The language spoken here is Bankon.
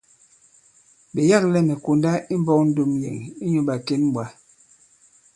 Ɓe yâklɛ mɛ̀ konda imbɔk ndom yɛ̀n inyū ɓàkěn ɓwǎ.